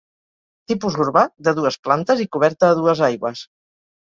Tipus urbà, de dues plantes i coberta a dues aigües.